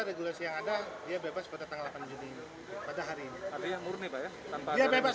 regulasi yang ada dia bebas pada tanggal delapan juni pada hari ini ada yang murni pak ya tanpa ada